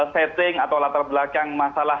setting atau latar belakang masalah